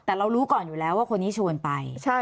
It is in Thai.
แต่เรารู้ก่อนอยู่แล้วว่าคนนี้ชวนไป